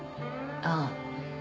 ああ。